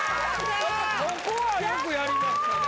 ここはよくやりましたね